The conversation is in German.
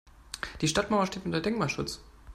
Die Stadtmauer steht unter Denkmalschutz.